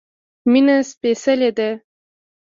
مينه سپيڅلی ده